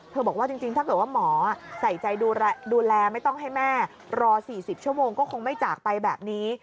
บอกว่าจริงถ้าเกิดว่าหมอใส่ใจดูแลไม่ต้องให้แม่รอ๔๐ชั่วโมงก็คงไม่จากไปแบบนี้